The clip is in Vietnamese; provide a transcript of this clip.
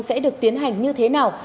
sẽ được tiến hành như thế nào